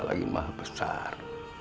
lagi maha besar